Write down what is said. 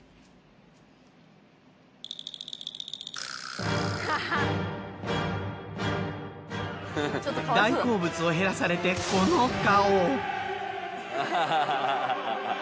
大好きな大好物を減らされてこの顔。